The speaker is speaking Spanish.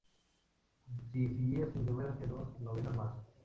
Si seguía sin llover hacían dos novenas más.